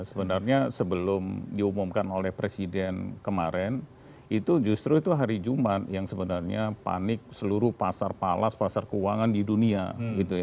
sebenarnya sebelum diumumkan oleh presiden kemarin itu justru itu hari jumat yang sebenarnya panik seluruh pasar palas pasar keuangan di dunia gitu ya